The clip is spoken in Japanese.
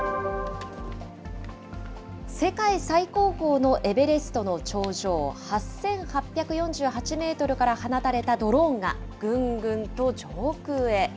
世界最高峰のエベレストの頂上８８４８メートルから放たれたドローンが、ぐんぐんと上空へ。